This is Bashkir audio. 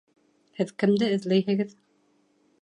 Һеҙ кемде эҙләйһегеҙ?